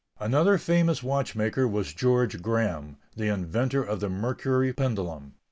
Another famous watchmaker was George Graham, the inventor of the mercury pendulum.